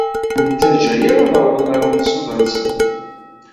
Ur ten-ttaǧǧa ara ad awḍen ɣer lmeqsud-nsen!